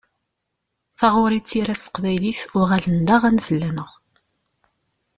Taɣuri d tira s teqbaylit uɣalen d aɣan fell-aneɣ.